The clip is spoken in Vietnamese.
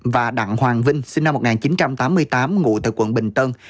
và đặng hoàng vinh sinh năm một nghìn chín trăm tám mươi tám ngụ tại quận bình tân